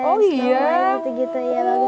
oh seneng banget sih bisa lihat yang ini